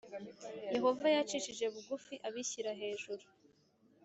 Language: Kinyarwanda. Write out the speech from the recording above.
Yehova yacishije bugufi abishyira hejuru